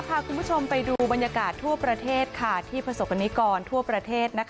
พาคุณผู้ชมไปดูบรรยากาศทั่วประเทศที่ประสบกรณิกรทั่วประเทศ